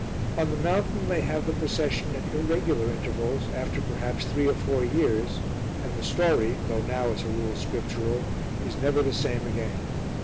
On the mountain they have the procession at irregular intervals, after perhaps three or four years, and the story, though now, as a rule, scriptural, is never the same again.